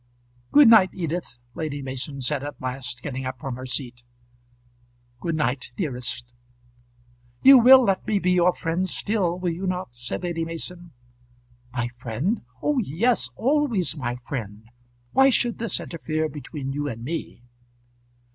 "Good night, Edith," Lady Mason said at last, getting up from her seat. "Good night, dearest." "You will let me be your friend still, will you not?" said Lady Mason. "My friend! Oh yes; always my friend. Why should this interfere between you and me?"